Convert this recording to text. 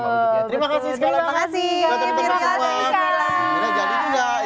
terima kasih sekali lagi